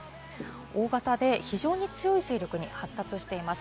大型で非常に強い勢力に発達しています。